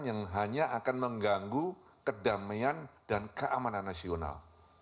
yang hanya akan mengganggu kedamaian dan keamanan nasional